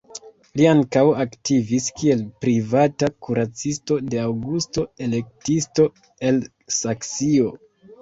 Li ankaŭ aktivis kiel privata kuracisto de Aŭgusto, elektisto el Saksio.